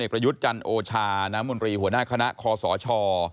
เด็กประยุทธ์จันโอชาน้ำมุนรีหัวหน้าคณะคศช